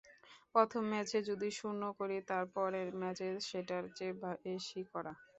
প্রথম ম্যাচে যদি শূন্য করি, তার পরের ম্যাচে সেটার চেয়ে বেশি করা।